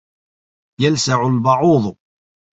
يَلْسَعُ الْبَعوضُ.